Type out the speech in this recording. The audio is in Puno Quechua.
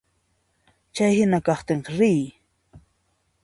Chay hina kaqtin riy.